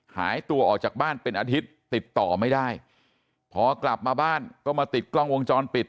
หายตัวออกจากบ้านเป็นอาทิตย์ติดต่อไม่ได้พอกลับมาบ้านก็มาติดกล้องวงจรปิด